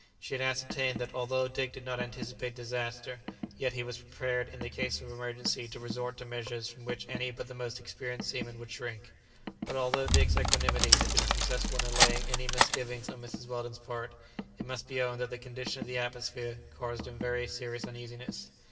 She had ascertained that although Dick did not anticipate disaster, yet he was prepared in the case of emergency to resort to measures from which any but the most experienced seaman would shrink. But although Dick's equanimity had been successful in allaying any misgivings on Mrs. Weldon's part, it must be owned that the condition of the atmosphere caused him very serious uneasiness.